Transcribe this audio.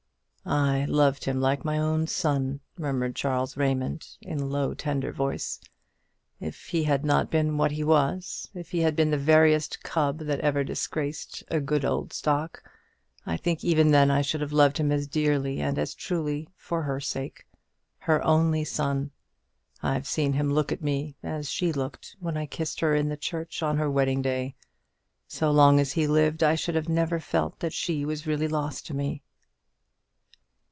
"I loved him like my own son," murmured Charles Raymond, in a low tender voice. "If he had not been what he was, if he had been the veriest cub that ever disgraced a good old stock, I think even then I should have loved him as dearly and as truly, for her sake. Her only son! I've seen him look at me as she looked when I kissed her in the church on her wedding day. So long as he lived, I should have never felt that she was really lost to me."